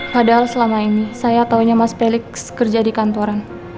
padahal selama ini saya taunya mas pelik kerja di kantoran